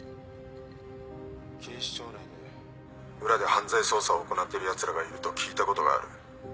警視庁内で裏で犯罪捜査を行ってるやつらがいると聞いたことがある。